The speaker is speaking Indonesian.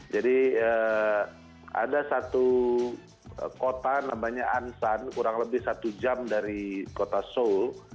jadi ada satu kota namanya ansan kurang lebih satu jam dari kota seoul